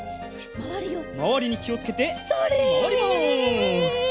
まわりにきをつけてまわります。